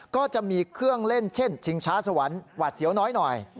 ก็จะมีเครื่องเล่นเช่นชิงช้าสวรรค์หวาดเสียวน้อยหน่อย